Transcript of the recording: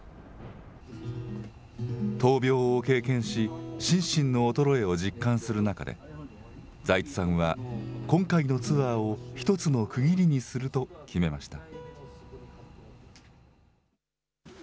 闘病を経験し、心身の衰えを実感する中で、財津さんは、今回のツアーを１つの区切りにすると決めました。